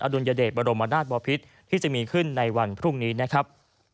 ดุลยเดชบรมนาศบอพิษที่จะมีขึ้นในวันพรุ่งนี้นะครับ